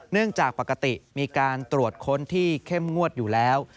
จากปกติมีการตรวจค้นที่เข้มงวดอยู่แล้ว